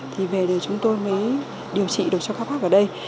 thì về chúng tôi mới điều trị được cho các bác ở đây